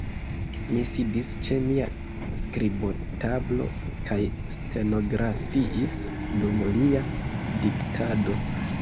Mi sidis ĉe mia skribotablo, kaj stenografiis dum lia diktado.